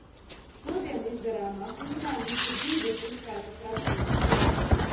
Šodien izdarāmās izmaiņas ir dzīves diktēta prasība.